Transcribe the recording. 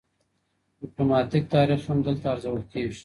ډيپلوماټيک تاريخ هم دلته ارزول کېږي.